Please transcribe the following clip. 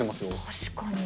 確かに。